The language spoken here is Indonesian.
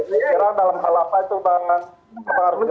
ini kira dalam hal apa itu bang